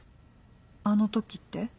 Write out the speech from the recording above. あの時って？